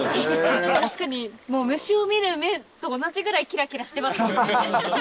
確かに虫を見る目と同じぐらいキラキラしてますよね。